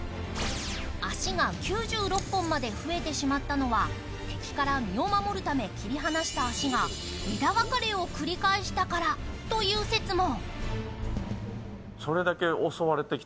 足が９６本まで増えてしまったのは敵から身を守るため切り離した足が、枝分かれを繰り返したからという説も。